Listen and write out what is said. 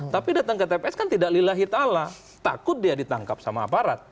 tapi datang ke tps kan tidak lillah hitalah takut dia ditangkap sama aparat